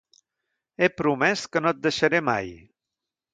He promès que no et deixaré mai.